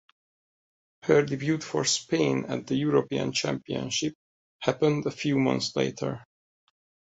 Her debut for Spain at the European Championships happened a few months later.